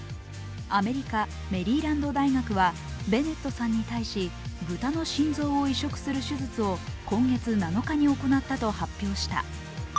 アメリカ・メリーランド大学はベネットさんに対し豚の心臓を移植する手術を今月７日に行ったと発表した。